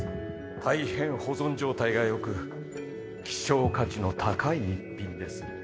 大変保存状態が良く希少価値の高い一品です。